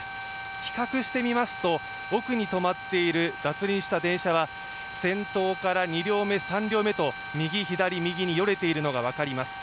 比較してみますと、奥に止まっている脱輪した電車は先頭から２両目、３両目と右、左、右によれているのが分かります。